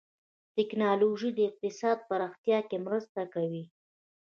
ټکنالوجي د اقتصاد پراختیا کې مرسته کوي.